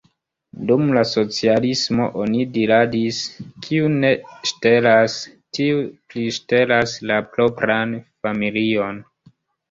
Dum la socialismo oni diradis: kiu ne ŝtelas, tiu priŝtelas la propran familion.